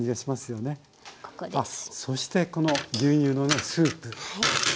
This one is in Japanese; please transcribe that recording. そしてこの牛乳のねスープ。